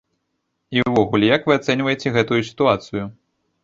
І ўвогуле як вы ацэньваеце гэтую сітуацыю?